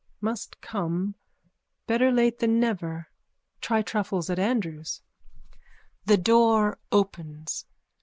Must come. Better late than never. Try truffles at Andrews. _(The door opens.